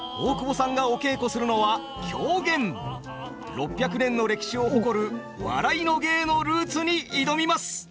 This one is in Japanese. ６００年の歴史を誇る笑いの芸のルーツに挑みます。